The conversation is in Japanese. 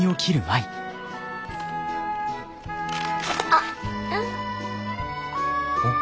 あっ。